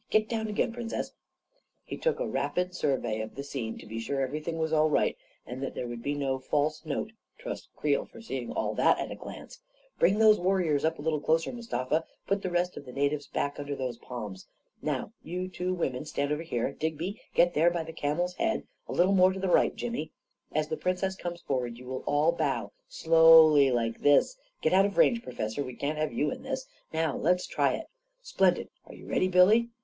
Get down again, Princess !" He took a rapid survey of the scene to be sure everything was all right and that there would be no false note — trust Creel for seeing all that at a glance !" Bring those warriors up a little closer, Mustafa; put the rest of the na tives back under those palms; now you two women stand over here. Digby, get there by the earners head. A little more to the right, Jimmy. As the Princess comes forward, you will all bow — slowly, like this ! Get out of range, Professor — we can't have you in this! Now let's try it! Splendid! Are you ready, Billy